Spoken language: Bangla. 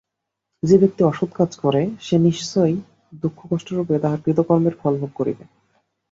যে ব্যক্তি অসৎ কাজ করে, সে নিশ্চয়ই দুঃখকষ্টরূপে তাহার কৃতকর্মের ফলভোগ করিবে।